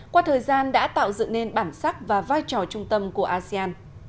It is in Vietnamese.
qua thời gian đã tạo dựng nên bản sắc và vai trò trung tâm của asean